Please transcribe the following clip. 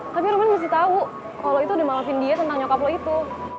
tapi roman mesti tau kalo lo itu udah malepin dia tentang nyokap lo itu